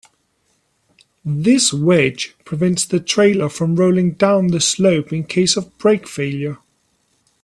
This wedge prevents the trailer from rolling down the slope in case of brake failure.